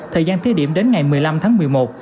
thời gian thí điểm đến ngày một mươi năm tháng một mươi một